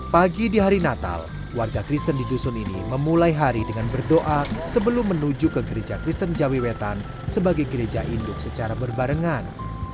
pagi di hari natal warga kristen di dusun ini memulai hari dengan berdoa sebelum menuju ke gereja kristen jawi wetan sebagai gereja induk secara berbarengan